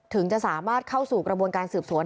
ถึงจะสามารถเข้าสู่กระบวนการสืบสวน